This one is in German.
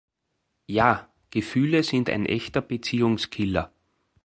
Ja, Gefühle sind ein echter Beziehungskiller!